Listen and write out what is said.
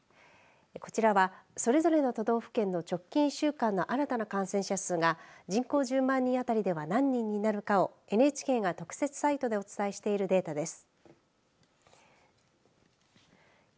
こちらはそれぞれの都道府県の直近１週間の新たな感染者数が人口１０万人当たりでは何人になるかをＮＨＫが特設サイトでお伝えしているデータです。